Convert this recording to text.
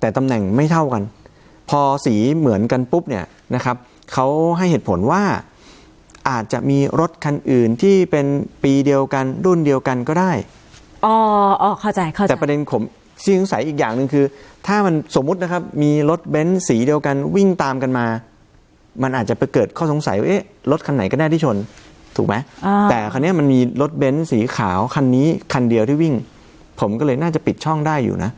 แต่ตำแหน่งไม่เท่ากันพอสีเหมือนกันปุ๊บเนี้ยนะครับเขาให้เหตุผลว่าอาจจะมีรถคันอื่นที่เป็นปีเดียวกันรุ่นเดียวกันก็ได้อ๋ออ๋อเข้าใจเข้าใจแต่ประเด็นของสิ่งสงสัยอีกอย่างหนึ่งคือถ้ามันสมมุตินะครับมีรถเบนซ์สีเดียวกันวิ่งตามกันมามันอาจจะไปเกิดข้อสงสัยว่าเอ๊ะรถคันไหนก็ได